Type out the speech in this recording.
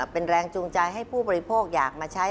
เป็นแรงจูงใจให้ผู้บริโภคอยากมาใช้